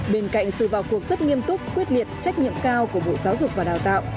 bên cạnh sự vào cuộc rất nghiêm túc quyết liệt trách nhiệm cao của bộ giáo dục và đào tạo